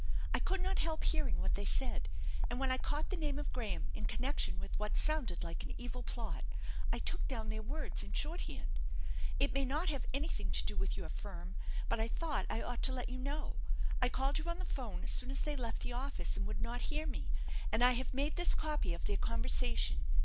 I could not help hearing what they said, and when I caught the name of Graham in connection with what sounded like an evil plot I took down their words in shorthand. It may not have anything to do with your firm, but 1 thought I ought to let you know. I called you on the phone as soon as they left the office and would not hear me, and I have made this copy of their conversation.